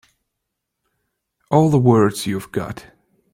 All the words you've got.